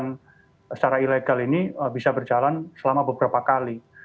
jadi kemudian saya berharap vaksinasi yang diberikan secara ilegal ini bisa berjalan selama beberapa kali